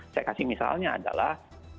saya kasih misalnya adalah